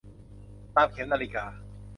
ตามเข็มนาฬิกา